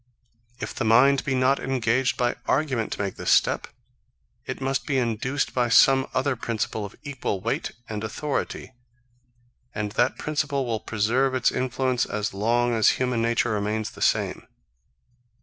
If the mind be not engaged by argument to make this step, it must be induced by some other principle of equal weight and authority; and that principle will preserve its influence as long as human nature remains the same.